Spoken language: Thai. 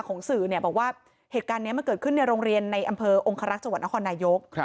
สื่อบอกว่าเหตุการณ์นี้มันเกิดขึ้นในโรงเรียนในอำเภอองคารักษ์จังหวัดนครนายก